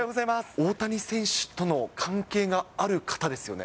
大谷選手との関係がある方ですよね。